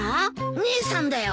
姉さんだよ。